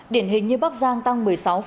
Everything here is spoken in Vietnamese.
điển hình như bắc giang tăng một mươi sáu